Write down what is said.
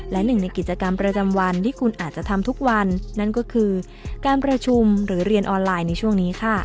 และหนึ่งในกิจกรรมประจำวันที่คุณอาจจะทำทุกวันนั่นก็คือการประชุมหรือเรียนออนไลน์ในช่วงนี้ค่ะ